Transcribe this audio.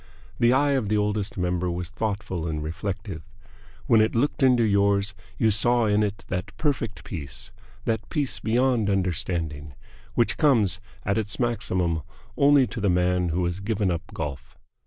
The eye of the Oldest Member was thoughtful and reflective. When it looked into yours you saw in it that perfect peace, that peace beyond understanding, which comes at its maximum only to the man who has given up golf.